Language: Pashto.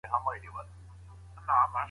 ملي اقتصاد د داخلي سکتور پر بنسټ ولاړ دی.